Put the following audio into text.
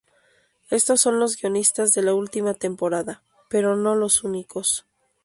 Éstos son los guionistas de la última temporada, pero no los únicos.